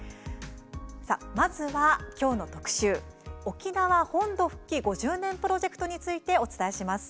まずは、きょうの特集「沖縄本土復帰５０年」プロジェクトについてお伝えします。